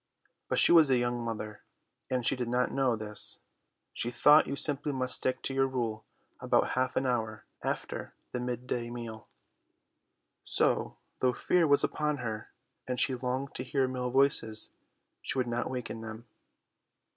But she was a young mother and she did not know this; she thought you simply must stick to your rule about half an hour after the mid day meal. So, though fear was upon her, and she longed to hear male voices, she would not waken them.